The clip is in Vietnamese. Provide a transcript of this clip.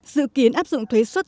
dự kiến áp dụng thuế suất